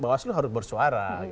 bawaslu harus bersuara